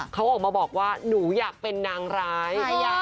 เขาออกมาบอกว่าหนูอยากเป็นนางร้าย